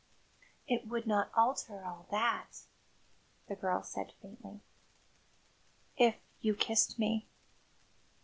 "It would not alter all that," the girl said faintly, "if you kissed me."